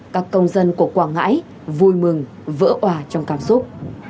các công dân của quảng ngãi vui mừng vỡ hòa trong cảm xúc